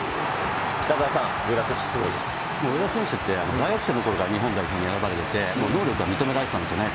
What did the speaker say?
北澤さん、上田選手って、大学生のころから、日本代表に選ばれてて、能力がもう能力は認められてたんですよね。